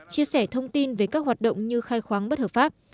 chia sẻ thông tin về các hoạt động như khai khoáng bất hợp pháp